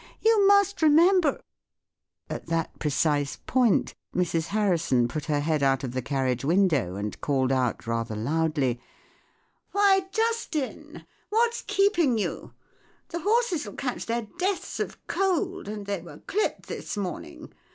You must remember " At that precise point, Mrs. Harrison put her head out of the carriage window and called out rather loudly :— "Why, Justin, what's keeping you? The horses'll catch their deaths of cold; and they were clipped this morning.